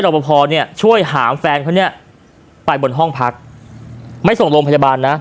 ประพอเนี่ยช่วยหามแฟนเขาเนี่ยไปบนห้องพักไม่ส่งโรงพยาบาลนะ